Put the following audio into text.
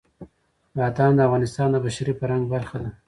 بادام د افغانستان د بشري فرهنګ برخه ده.